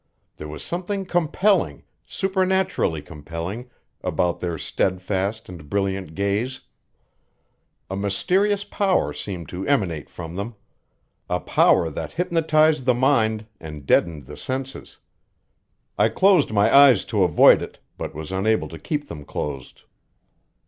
There was something compelling, supernaturally compelling, about their steadfast and brilliant gaze. A mysterious power seemed to emanate from them; a power that hypnotized the mind and deadened the senses. I closed my eyes to avoid it, but was unable to keep them closed.